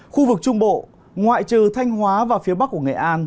khu vực trung bộ ngoại trừ thanh hóa và phía bắc của nghệ an